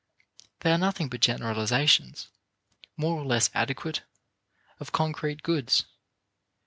They are nothing but generalizations, more or less adequate, of concrete goods.